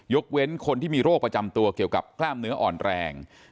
เว้นคนที่มีโรคประจำตัวเกี่ยวกับกล้ามเนื้ออ่อนแรง